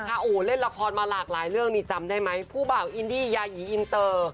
โอ้โหเล่นละครมาหลากหลายเรื่องนี่จำได้ไหมผู้บ่าวอินดี้ยายีอินเตอร์